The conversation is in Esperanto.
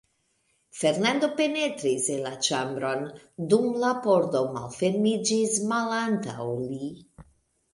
Fernando penetris en la ĉambron, dum la pordo malfermiĝis malantaŭ li.